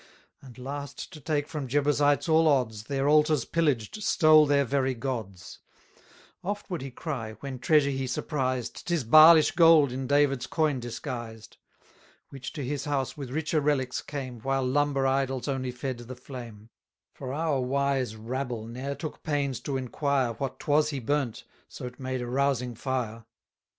And last, to take from Jebusites all odds, 540 Their altars pillaged, stole their very gods; Oft would he cry, when treasure he surprised, 'Tis Baalish gold in David's coin disguised; Which to his house with richer relics came, While lumber idols only fed the flame: For our wise rabble ne'er took pains to inquire, What 'twas he burnt, so 't made a rousing fire.